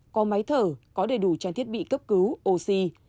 có máy thở có đầy đủ trang thiết bị cấp cứu oxy